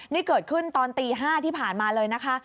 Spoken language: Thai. นี่เกิดขึ้นตอนตี๕ที่ผ่านมาเลยนะคะ